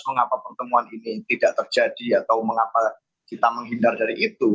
mengapa pertemuan ini tidak terjadi atau mengapa kita menghindar dari itu